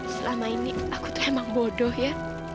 selama ini aku tuh emang bodoh ya